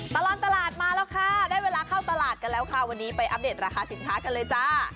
ตลอดตลาดมาแล้วค่ะได้เวลาเข้าตลาดกันแล้วค่ะวันนี้ไปอัปเดตราคาสินค้ากันเลยจ้า